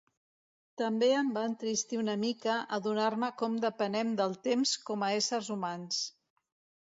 També em va entristir una mica adonar-me com depenem del temps com a éssers humans.